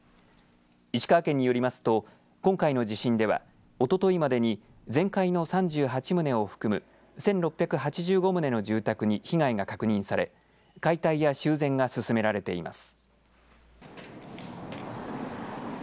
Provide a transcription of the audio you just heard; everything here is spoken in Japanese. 石川県によりますと今回の地震ではおとといまでに全壊の３８棟を含む１６８５棟の住宅に被害が確認され解体や修繕が進められています。